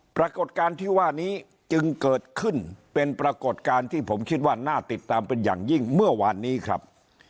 ปรากฏการณ์ที่ว่านี้จึงเกิดขึ้นเป็นปรากฏการณ์ที่ผมคิดว่าน่าติดตามเป็นอย่างยิ่งเมื่อวานนี้ครับ